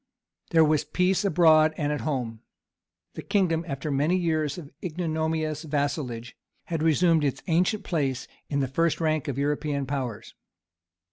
There was peace abroad and at home. The kingdom, after many years of ignominious vassalage, had resumed its ancient place in the first rank of European powers.